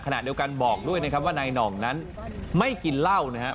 ขณะเดียวกันบอกด้วยนะครับว่านายหน่องนั้นไม่กินเหล้านะครับ